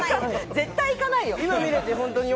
絶対、行かないよ。